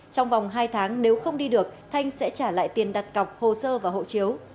trong vòng hai tháng nếu không đi được thanh sẽ trả lại tiền đặt cọc hồ sơ và hộ chiếu